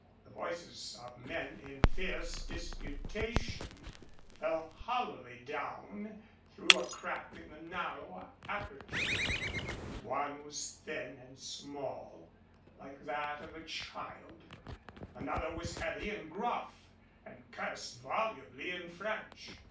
The voices of men in fierce disputation fell hollowly down through a crack in the narrow aperture. One was thin and small, like that of a child. Another was heavy and gruff, and cursed volubly in French.